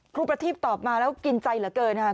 ครูประทีพตอบมาแล้วกินใจเหลือเกินนะครับ